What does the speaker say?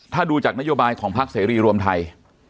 ถ้าดูจากนโยบายของพักเสรีรวมไทย